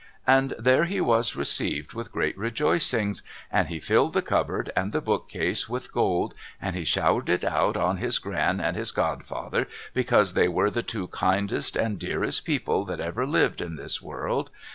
' And there he was received with great rejoicings, and he filled the cupboard and the bookcase with gold, and he showered it out on his Gran and his godfather because they were the two kindest and dearest people that ever lived in this world.